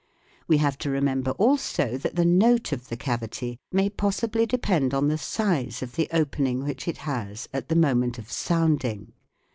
We have to remember also that the note of the cavity may possibly depend on the size of the opening which it has at the moment of sounding.